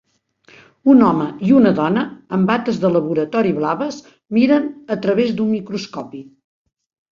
Un home i una dona amb bates de laboratori blaves miren a través d'un microscopi.